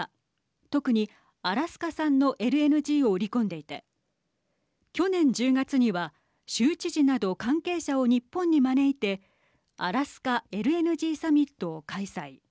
特にアラスカ産のＬＮＧを売り込んでいて去年１０月には州知事など関係者を日本に招いてアラスカＬＮＧサミットを開催。